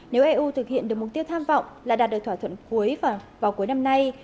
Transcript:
nếu eu thực hiện được mục tiêu tham vọng là đạt được thỏa thuận cuối vào cuối năm nay